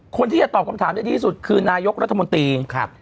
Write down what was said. คนที่จะตอบคำถามได้ดีที่สุดคือนายกรัฐมนตรีครับ